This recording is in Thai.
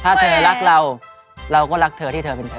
ถ้าเธอรักเราเราก็รักเธอที่เธอเป็นเธอ